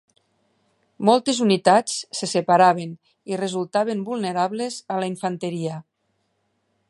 Moltes unitats se separaven i resultaven vulnerables a la infanteria.